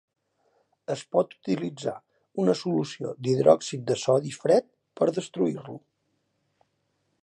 Es pot utilitzar una solució d'hidròxid de sodi fred per destruir-lo.